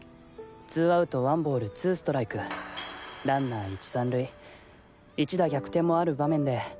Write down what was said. ツーアウトワンボールツーストライクランナー１・３塁一打逆転もある場面で。